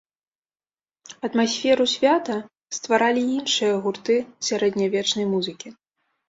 Атмасферу свята стваралі і іншыя гурты сярэднявечнай музыкі.